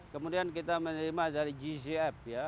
kemudian kita menerima dari gcf ya